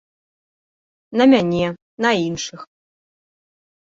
На мяне, на іншых.